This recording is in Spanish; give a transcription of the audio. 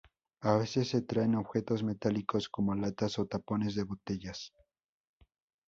A veces se traen objetos metálicos como latas o tapones de botellas.